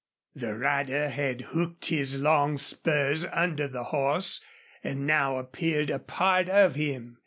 The rider had hooked his long spurs under the horse and now appeared a part of him.